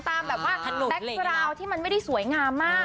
ตามแบ็คกราวที่ไม่สวยงามมาก